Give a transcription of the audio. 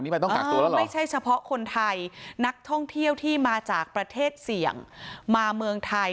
ไม่ใช่เฉพาะคนไทยนักท่องเที่ยวที่มาจากประเทศเสียงมาเมืองไทย